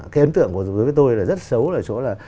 cái ấn tượng của tôi là rất xấu ở chỗ là